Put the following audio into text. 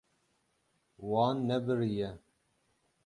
Wan nebiriye.